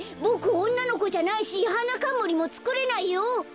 ボクおんなのこじゃないしはなかんむりもつくれないよ！